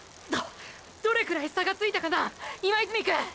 どどれくらい差がついたかな今泉くん！！